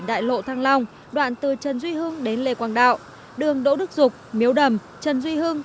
đại lộ thăng long đoạn từ trần duy hưng đến lê quang đạo đường đỗ đức dục miếu đầm trần duy hưng